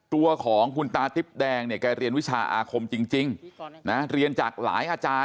ตัวของคุณตาติ๊บแดงเนี่ยแกเรียนวิชาอาคมจริงนะเรียนจากหลายอาจารย์